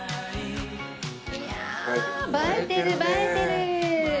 いや映えてる映えてる！